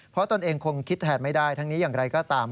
เพราะตนเองคงคิดแทนไม่ได้ทั้งนี้อย่างไรก็ตาม